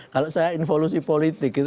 kalau saya involusi politik